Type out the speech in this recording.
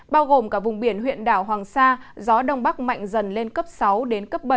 bao gồm cả vùng biển huyện đảo hoàng sa gió đông bắc mạnh dần lên cấp sáu đến cấp bảy